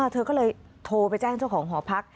เธอก็เลยโทรไปแจ้งเจ้าของหอพัก